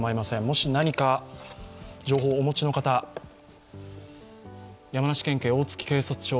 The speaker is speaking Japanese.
もし何か情報をお持ちの方、山梨県警大月警察署